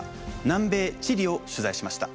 南米チリを取材しました。